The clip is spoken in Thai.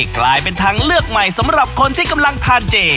กลายเป็นทางเลือกใหม่สำหรับคนที่กำลังทานเจ